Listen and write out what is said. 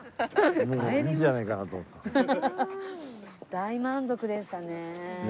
大満足でしたね。